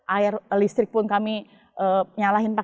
air listrik pun kehidran